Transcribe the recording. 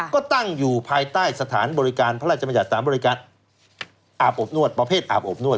ก็ตั้งอยู่ภายใต้สถานบริการพระราชบัญญัติ๓บริการอาบอบนวดประเภทอาบอบนวด